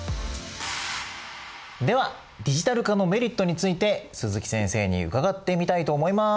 ではディジタル化のメリットについて鈴木先生に伺ってみたいと思います。